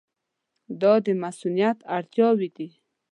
دا د مصونیت اړتیاوې دي.